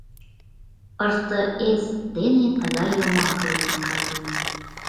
РТС дене тыгай йомак лийын каен.